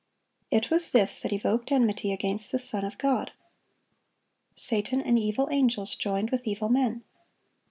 It was this that evoked enmity against the Son of God. Satan and evil angels joined with evil men.